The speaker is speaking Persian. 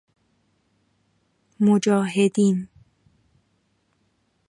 مجاهیدن